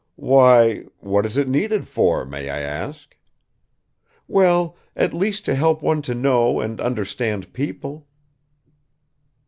"Why, what is it needed for, may I ask?" "Well, at least to help one to know and understand people."